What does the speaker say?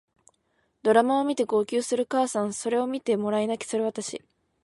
ドラマを見て号泣するお母さんそれを見てもらい泣きする私